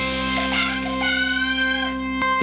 โลกของเรา